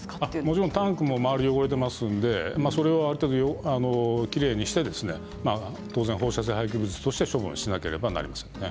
もちろんそれをタンクの周りの汚れもある程度きれいにして放射性廃棄物として処分もしなければなりませんね。